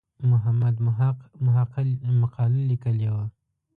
محمد محق مقاله لیکلې وه.